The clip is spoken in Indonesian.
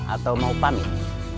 atau mau pamit